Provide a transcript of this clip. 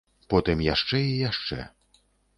Потым яшчэ і яшчэ.